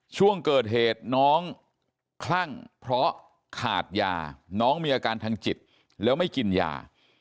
ช่วงเกิดเหตุน้องคลั่งเพราะขาดยาน้องมีอาการทางจิตแล้วไม่กินยา